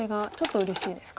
うれしいですか？